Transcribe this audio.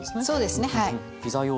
そうですねはい。